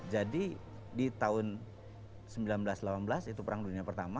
jadi di tahun seribu sembilan ratus delapan belas itu perang dunia pertama